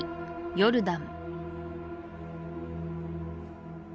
ヨルダン